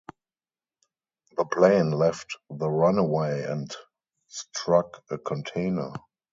The plane left the runway and struck a container.